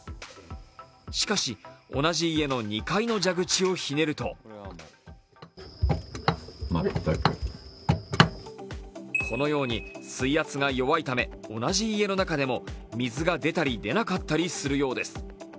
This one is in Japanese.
しかし、同じ家の２階の蛇口をひねるとこのように水圧が弱いため同じ家の中でも水が出たり出なかったりするようです。